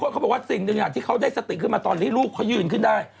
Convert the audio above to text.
เขาบอกว่าสิ่งหนึ่งอย่างที่เขาได้สติขึ้นมาตอนที่ลูกเขายืนขึ้นได้